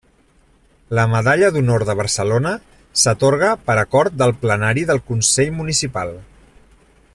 La Medalla d'Honor de Barcelona s'atorga per acord del Plenari del Consell Municipal.